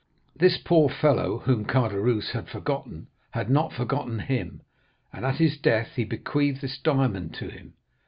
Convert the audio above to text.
This poor fellow, whom Caderousse had forgotten, had not forgotten him, and at his death he bequeathed this diamond to him.